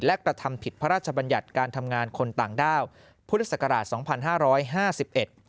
และกระทำผิดพระราชบัญญัติการทำงานคนต่างด้าวพุทธศักราชสองพันห้าร้อยห้าสิบเอ็ด